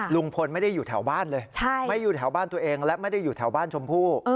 ลุงพลไม่ได้อยู่แถวบ้านเลยไม่อยู่แถวบ้านตัวเองและไม่ได้อยู่แถวบ้านชมพู่